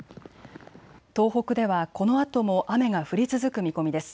東北ではこのあとも雨が降り続く見込みです。